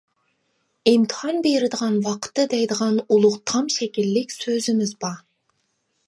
ئىمتىھان بېرىدىغان ۋاقىتتا دەيدىغان ئۇلۇغ تام شەكىللىك سۆزىمىز بار.